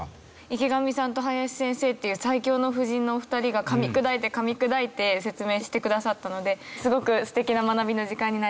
池上さんと林先生っていう最強の布陣のお二人がかみ砕いてかみ砕いて説明してくださったのですごく素敵な学びの時間になりました。